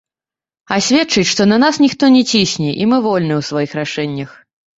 А сведчыць, што на нас ніхто не цісне і мы вольныя ў сваіх рашэннях.